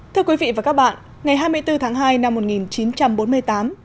thưa quý vị và các bạn ngày hai mươi bốn tháng hai năm một nghìn chín trăm bốn mươi tám